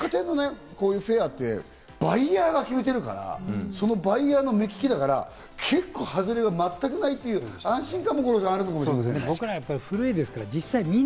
百貨店のフェアってバイヤーが決めているから、そのバイヤーの目利きだから、結構ハズレが全くないという安心感もあると思うんですね、五郎さん。